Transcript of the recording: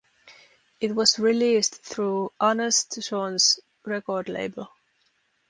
It was released through Honest Jon's record label.